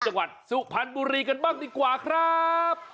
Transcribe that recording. จังหวัดสุพรรณบุรีกันบ้างดีกว่าครับ